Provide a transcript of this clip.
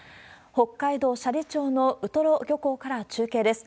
北海道斜里町のウトロ漁港から中継です。